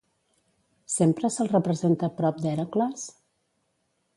Sempre se'l representa prop d'Hèracles?